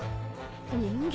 人間？